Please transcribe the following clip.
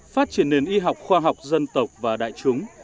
phát triển nền y học khoa học dân tộc và đại chúng